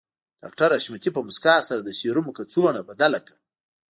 ډاکټر حشمتي په مسکا سره د سيرومو کڅوړه بدله کړه